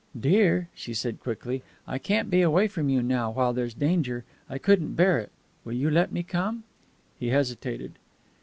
"Dear," she said quickly, "I can't be away from you now, while there's danger. I couldn't bear it. Will you let me come?" He hesitated.